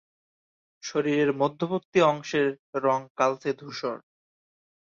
শরীরের মধ্যবর্তী অংশের রং কালচে ধূসর।